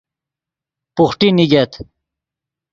بوحٹی نیگت